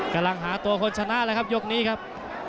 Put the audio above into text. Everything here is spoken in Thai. กำลังหาตัวคนชนะแล้วครับยกนี้ครับ